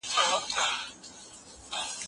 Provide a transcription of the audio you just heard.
په کلي کې د ژمي په شپو کې کیسې ویل کیږي.